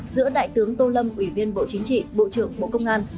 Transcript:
giữa đại tướng tô lâm ủy viên bộ chính trị bộ trưởng bộ công an